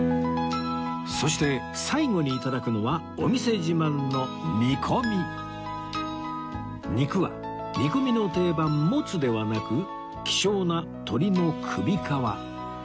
そして最後に頂くのはお店自慢の肉は煮込みの定番モツではなく希少な鶏の首皮